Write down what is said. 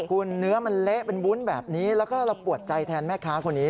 คุณเนื้อมันเละเป็นวุ้นแบบนี้แล้วก็เราปวดใจแทนแม่ค้าคนนี้